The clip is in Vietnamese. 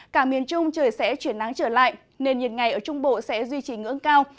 cả miền trung trời sẽ chuyển nắng trở lại nền nhiệt ngày ở trung bộ sẽ duy trì ngưỡng cao